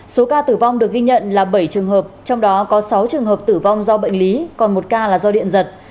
số ca tử vong được ghi nhận là bảy trường hợp trong đó có sáu trường hợp tử vong do bệnh lý còn một ca là do điện giật